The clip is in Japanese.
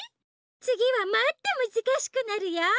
つぎはもっとむずかしくなるよ。